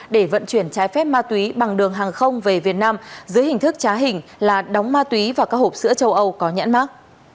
để vận chuyển trái phép ma túy bằng đường hàng không về việt nam dưới hình thức trá hình là đóng ma túy và các hộp sữa châu âu có nhãn mát